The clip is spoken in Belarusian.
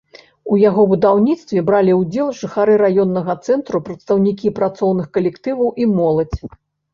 У яго будаўніцтве бралі ўдзел жыхары раённага цэнтру, прадстаўнікі працоўных калектываў і моладзь.